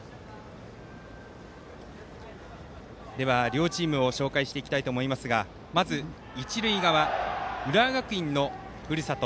では両チームを紹介していきたいと思いますがまず一塁側の浦和学院のふるさと